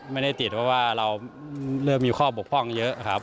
ไม่ได้ติดเพราะว่าเราเริ่มมีข้อบกพร่องเยอะครับ